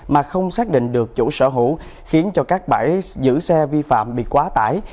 mà không xác định được chủ sở hữu khiến cho các bãi giữ xe vi phạm bị quá tải